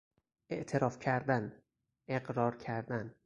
اعتراف کردن، اقرار کردن